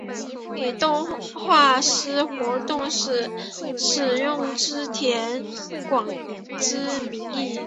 以动画师活动时使用织田广之名义。